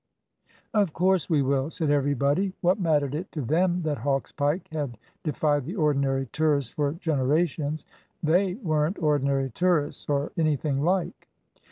"Of course we will," said everybody. What mattered it to them that Hawk's Pike had defied the ordinary tourist for generations? They weren't ordinary tourists, or anything like.